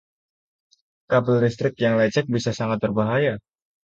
Kabel listrik yang lecek bisa sangat berbahaya.